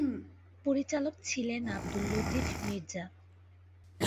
পরিচালক ছিলেন আবদুল লতিফ মির্জা।